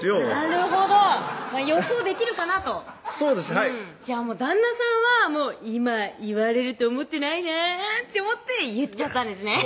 なるほど予想できるかなとそうですじゃあ旦那さんはもう「今言われると思ってないな」と思って言っちゃったんですね